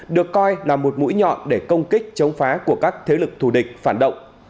được coi là một mũi nhọn để công kích chống phá của các thế lực thù địch phản động